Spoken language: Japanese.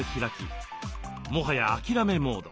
もはや諦めモード。